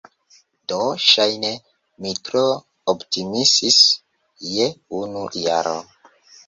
Do, ŝajne mi tro optimismis je unu jaro!